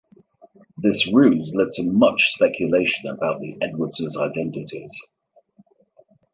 This ruse led to much speculation about the Edwardses' identities.